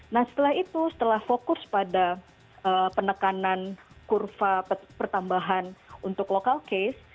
nah setelah itu setelah fokus pada penekanan kurva pertambahan untuk local case